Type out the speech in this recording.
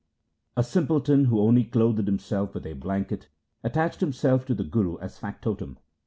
A simpleton, who only clothed himself with a blanket, attached himself to the Guru as factotum.